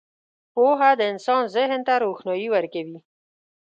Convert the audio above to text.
• پوهه د انسان ذهن ته روښنايي ورکوي.